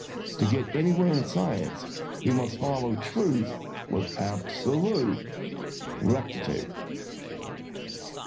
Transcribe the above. To get anywhere in science he must follow truth with absolute rectitude."